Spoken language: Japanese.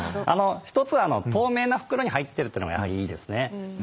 一つは透明な袋に入ってるというのがやはりいいですね。